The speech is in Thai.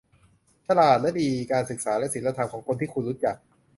ฉลาดและดี : การศึกษาและศีลธรรมของคนที่คุณรู้จัก